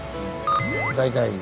大体。